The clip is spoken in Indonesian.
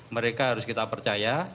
mereka harus kita percaya